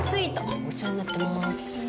お世話になってます。